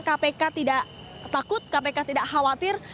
kpk tidak takut kpk tidak khawatir